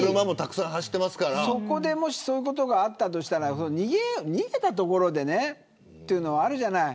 そこで、もしそういうことがあったとしたら逃げたところでねというのはあるじゃない。